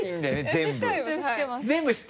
全部知ってます。